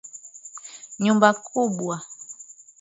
Nyumba kubwa.